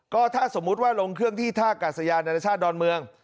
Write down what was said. ก็ถ้าสมมุติว่าลงเครื่องที่ท่ากาศยานานาชาติดอนเมือง